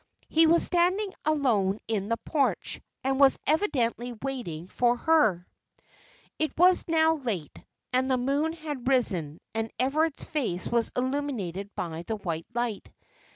He was standing alone in the porch, and was evidently waiting for her. It was now late, and the moon had risen, and Everard's face was illuminated by the white light.